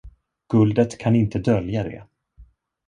Guldet kan inte dölja det.